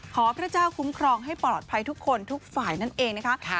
พระเจ้าคุ้มครองให้ปลอดภัยทุกคนทุกฝ่ายนั่นเองนะคะ